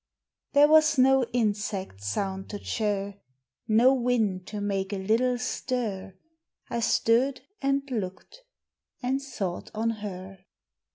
There was no insect sound to chirr; No wind to make a little stir. I stood and looked and thought on her.